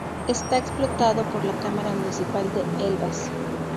Está explotado por la Cámara Municipal de Elvas.